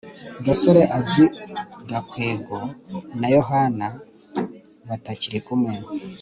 gasore azi gakwego na yohana batakiri kumwe